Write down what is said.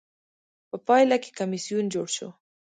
په پایله کې کمېسیون جوړ شو.